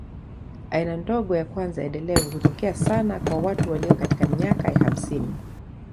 Aina ndogo ya kwanza endelevu hutokea sana kwa watu walio katika miaka ya hamsini.